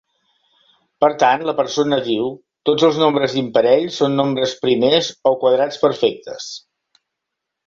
Per tant, la persona diu, tots els nombres imparells són nombres primers o quadrats perfectes.